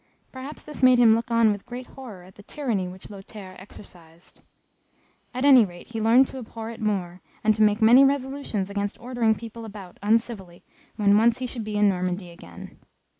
Perhaps this made him look on with great horror at the tyranny which Lothaire exercised; at any rate he learnt to abhor it more, and to make many resolutions against ordering people about uncivilly when once he should be in Normandy again.